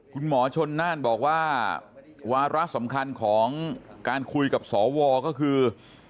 คุณหมอชนน่านบอกว่าวาระสำคัญของการคุยกับสวก็คือ